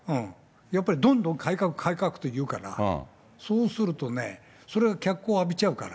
やっぱりどんどん改革改革って言うから、そうするとね、それが脚光浴びちゃうから。